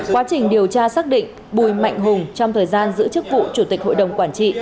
quá trình điều tra xác định bùi mạnh hùng trong thời gian giữ chức vụ chủ tịch hội đồng quản trị